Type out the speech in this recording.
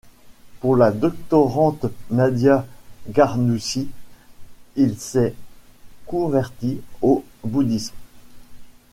Pour la doctorante Nadia Garnoussi, il s'est converti au bouddhisme.